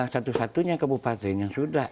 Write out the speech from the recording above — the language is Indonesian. satu satunya kabupaten yang sudah